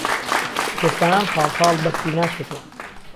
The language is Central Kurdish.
کوێستانان خاڵخاڵ، بهفری ناچێتۆ